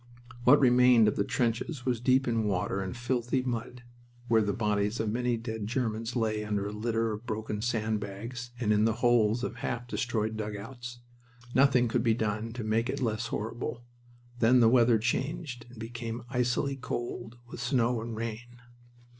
What remained of the trenches was deep in water and filthy mud, where the bodies of many dead Germans lay under a litter of broken sand bags and in the holes of half destroyed dugouts. Nothing could be done to make it less horrible. Then the weather changed and became icily cold, with snow and rain.